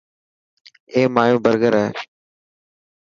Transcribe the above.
اي مايو برگر هي.